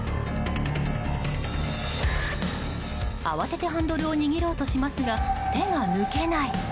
慌ててハンドルを握ろうとしますが手が抜けない！